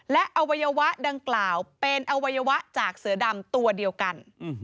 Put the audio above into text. และอวัยวะดังกล่าวเป็นอวัยวะจากเสือดำตัวเดียวกัน